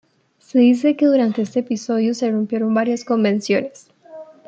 Se dice que durante este episodio se rompieron varias convenciones.